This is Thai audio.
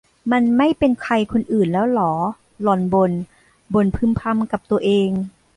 มันไม่เป็นใครคนอื่นแล้วหรอ หล่อนบ่นบ่นพึมพำกับตัวเอง